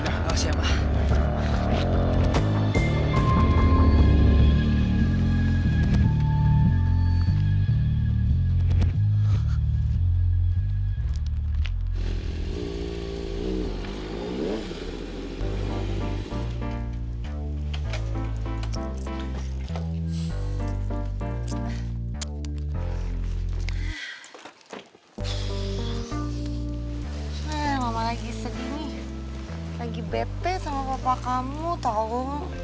lagi bete sama papa kamu tau